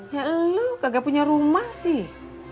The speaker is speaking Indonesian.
ya lo gak punya rumah sih